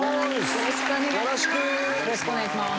よろしくお願いします。